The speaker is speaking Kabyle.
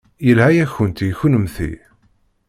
Yelha-yakent i kunemti.